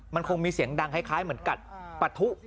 มันคงมีเสียงดังคล้ายเหมือนกัดปะทุ